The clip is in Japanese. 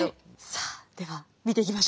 さあでは見ていきましょうか。